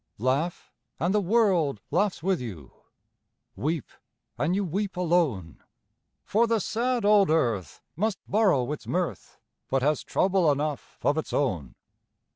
Laugh, and the world laughs with you; Weep, and you weep alone; For the sad old earth must borrow its mirth, But has trouble enough of its own.